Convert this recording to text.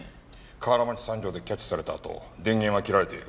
河原町三条でキャッチされたあと電源は切られている。